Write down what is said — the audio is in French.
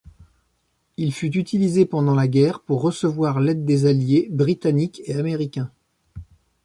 Il fut utilisé pendant la guerre pour recevoir l'aide des Alliés, Britanniques et Américains.